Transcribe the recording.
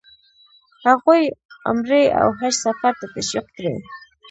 هغوی عمرې او حج سفر ته تشویق کړي.